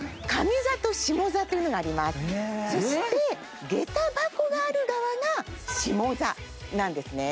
そしてげた箱がある側が下座なんですね。